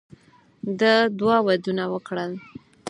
ده دوه ودونه وکړل.